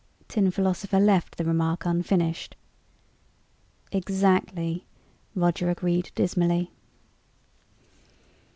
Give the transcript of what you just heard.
Tin Philosopher left the remark unfinished. "Exactly," Roger agreed dismally.